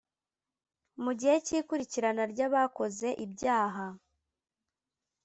Mu gihe cy ikurikirana rya bakoze ibyaha